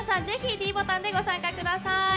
ぜひｄボタンでご参加ください。